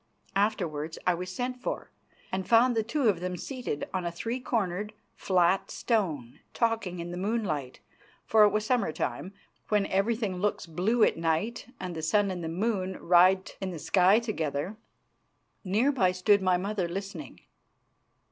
Afterwards I was sent for, and found the two of them seated on a three cornered, flat stone, talking in the moonlight, for it was summer time, when everything looks blue at night and the sun and the moon ride in the sky together. Near by stood my mother, listening.